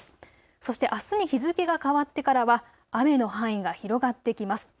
そしてあすに日付が変わってからは雨の範囲が広がってきます。